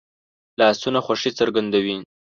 لاسونه خوښي څرګندوي